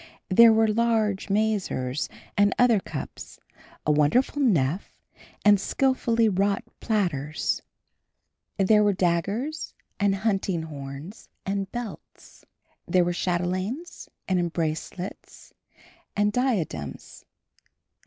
There were large mazers and other cups, a wonderful nef, and skilfully wrought platters. There were daggers and hunting horns and belts. There were chatelaines and embracelets and diadems.